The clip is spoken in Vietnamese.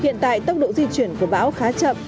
hiện tại tốc độ di chuyển của bão khá chậm